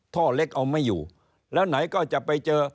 ท่อเล็กเอาไม่อยู่แล้วไหนก็จะไปเจอ